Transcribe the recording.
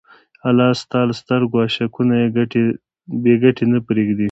الله ستا له سترګو اشکونه بېګټې نه پرېږدي.